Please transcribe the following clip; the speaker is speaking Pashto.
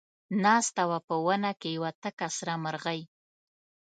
ناسته وه په ونه کې یوه تکه سره مرغۍ